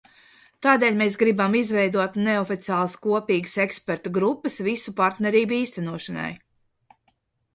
Tādēļ mēs gribam izveidot neoficiālas kopīgas ekspertu grupas visu partnerību īstenošanai.